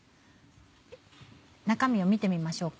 中身を見てみましょうか。